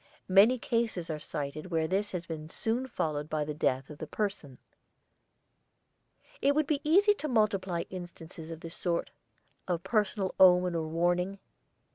Many cases are cited where this has been soon followed by the death of the person. It would be easy to multiply instances of this sort: of personal omen or warning.